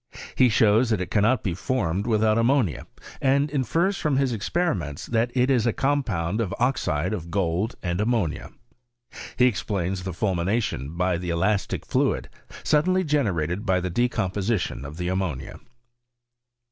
He shows that it cannot be formed without ammonia^ and infers from his experiments that it is a com pound of oxide of gold and ammonia. He explains the fulmination by the elastic fluid suddenly gene Tated by the decomposition of the ammonia.